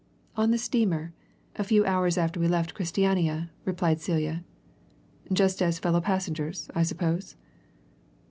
"On the steamer a few hours after we left Christiania," replied Celia. "Just as fellow passengers, I suppose?"